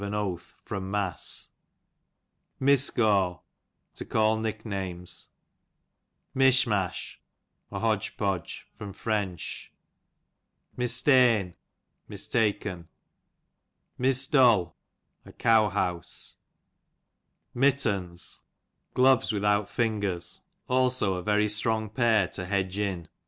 an oaA from Mass. Miacaw, to call nicknames* Mishmash, a hodge podge* Mistene, mistaken. Mistol, a cowhouse. Mitch, much. Mittens, gloves without fingers^ also a very strong pair to hedge in.